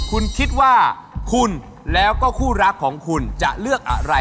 คุณคิดว่าคุณแล้วก็คู่รักของคุณจะเลือกอะไร